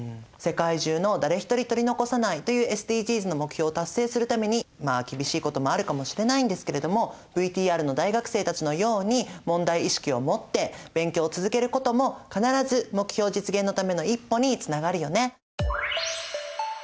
世界中の「誰一人取り残さない」というＳＤＧｓの目標を達成するためにまあ厳しいこともあるかもしれないんですけれどもＶＴＲの大学生たちのように問題意識を持って勉強を続けることも必ず目標実現のための一歩につながるよね！